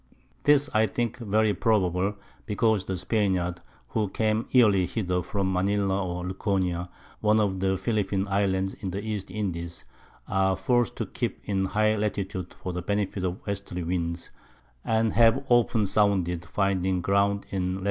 This I think very probable, because the Spaniards, who come yearly hither from Manila or Luconia, one of the Philipine Islands in the East Indies, are forced to keep in a high Latitude for the Benefit of Westerly Winds, and have often sounded, finding Ground in Lat.